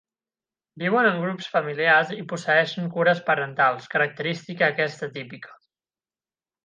Viuen en grups familiars i posseeixen cures parentals, característica aquesta típica.